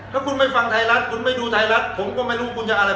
ถ้าคุณไม่ฟังไทยรัฐคุณไม่ดูไทยรัฐผมก็ไม่รู้คุณจะอะไร